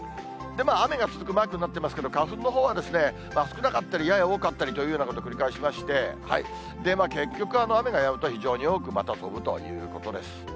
雨が続くマークなってますけど、花粉のほうは少なかったり、やや多かったりということを繰り返しまして、結局、雨がやむと、非常にまた多く飛ぶということです。